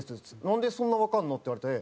「なんでそんなわかんの？」って言われて。